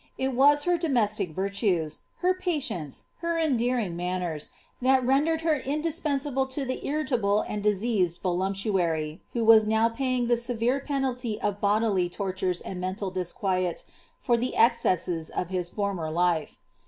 It was her domestic tiriucfl, her pHience, her endearing manners, that rendered her indispensable to ths vriialile aad diseased Tolupluary, who was now paying the severe penalty of bodily tortures and menial disquiet, for the excesses of his former life.